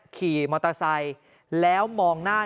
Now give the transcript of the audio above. ขี่มอเตอร์ไซค์แล้วมองหน้า